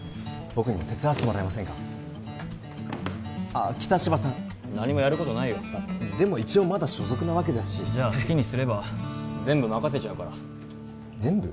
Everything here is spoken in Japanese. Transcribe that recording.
僕にも手伝わせてもらえませんかあっ北芝さん何もやることないよでも一応まだ所属なわけだしじゃあ好きにすれば全部任せちゃうから全部？